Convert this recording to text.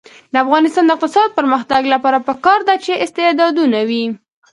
د افغانستان د اقتصادي پرمختګ لپاره پکار ده چې استعدادونه وي.